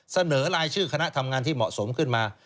เสนอรายชื่อคณะทำงานที่เหมาะสมขึ้นมา